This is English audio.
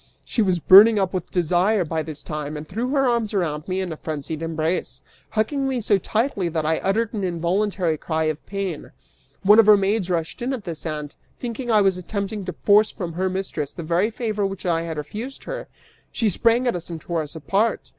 She was burning up with desire by this time, and threw her arms around me in a frenzied embrace, hugging me so tightly that I uttered an involuntary cry of pain. One of her maids rushed in at this and, thinking that I was attempting to force from her mistress the very favor which I had refused her, she sprang at us and tore us apart.